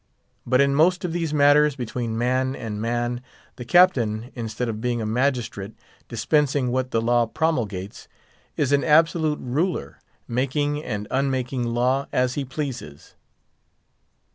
But in most of these matters between man and man, the Captain instead of being a magistrate, dispensing what the law promulgates, is an absolute ruler, making and unmaking law as he pleases.